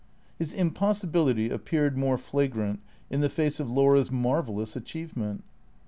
His impossibility appeared more flagrant in the face of Laura's marvellous achievement.